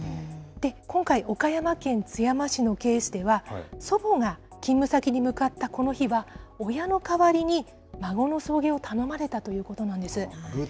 今回、岡山県津山市のケースでは、祖母が勤務先に向かったこの日は、親の代わりに孫の送迎を頼まれたということなんです。